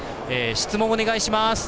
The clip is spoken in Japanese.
質問、お願いします。